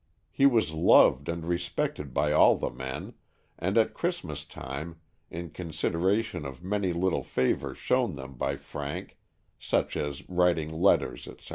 He was loved and respected by all the men, and at Christ mas time, in consideration of many little favors shown them by Frank, such as writing letters, etc.